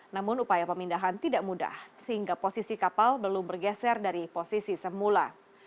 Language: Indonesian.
namun upaya pemindahan tidak mudah sehingga posisi kapal belum bergeser dari posisi semula